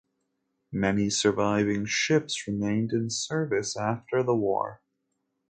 Many surviving ships remained in service after the war.